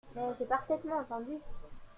Mais j’ai parfaitement entendu.